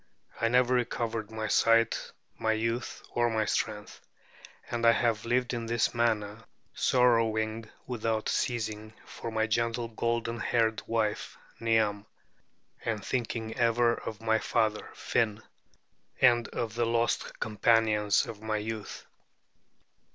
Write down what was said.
I never recovered my sight, my youth, or my strength; and I have lived in this manner, sorrowing without ceasing for my gentle golden haired wife Niam, and thinking ever of my father Finn, and of the lost companions of my youth.